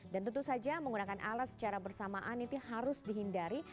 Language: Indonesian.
dan tentu saja menggunakan alat secara bersamaan itu harus dihindari